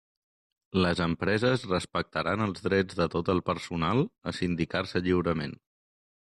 Les empreses respectaran els drets de tot el personal a sindicar-se lliurement.